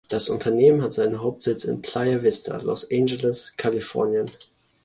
Das Unternehmen hat seinen Hauptsitz in Playa Vista, Los Angeles, Kalifornien.